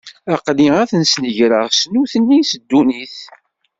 Aql-i ad ten-snegreɣ, s nutni, s ddunit.